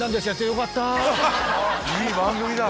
いい番組だ！